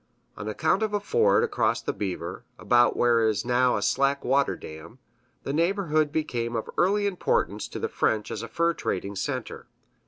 On account of a ford across the Beaver, about where is now a slack water dam, the neighborhood became of early importance to the French as a fur trading center.